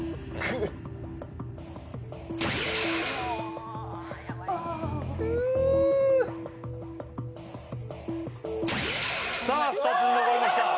くうさあ２つ残りました